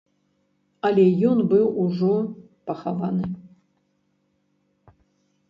Але ён быў ужо пахаваны.